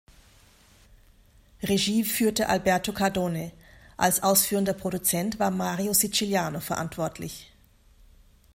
Regie führte Alberto Cardone, als ausführender Produzent war Mario Siciliano verantwortlich.